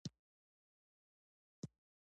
آمو سیند د افغانستان د جغرافیې یوه بېلګه ده.